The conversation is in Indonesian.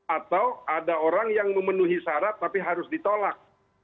atau ada orang yang memenuhi syarat tapi harus ditolak